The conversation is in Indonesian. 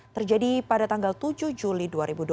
terjadi pada tanggal tujuh juli dua ribu dua puluh